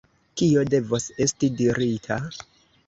kio devos esti dirita?